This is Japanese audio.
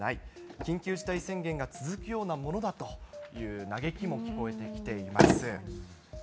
緊急事態宣言が続くようなものだという嘆きも聞こえてきています。